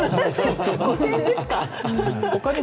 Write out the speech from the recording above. ５０００円ですか。